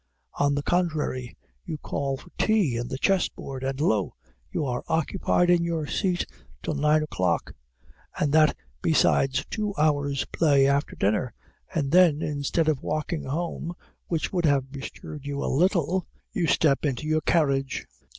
On the contrary, you call for tea and the chess board; and lo! you are occupied in your seat till nine o'clock, and that besides two hours' play after dinner; and then, instead of walking home, which would have bestirred you a little, you step into your carriage.